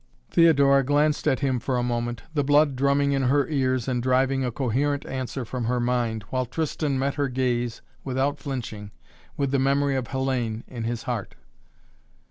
Theodora glanced at him for a moment, the blood drumming in her ears and driving a coherent answer from her mind, while Tristan met her gaze without flinching, with the memory of Hellayne in his heart.